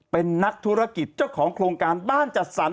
เป็นนักธุรกิจเจ้าของโครงการบ้านจัดสรร